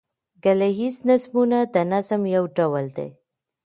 ګيله ييز نظمونه د نظم یو ډول دﺉ.